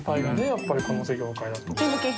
やっぱりこの業界だと。